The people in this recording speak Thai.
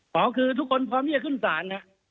เขาคือทุกคนพร้อมให้เศร้าสาร